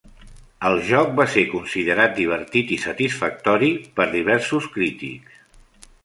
El joc va ser considerat divertit i satisfactori per diversos crítics.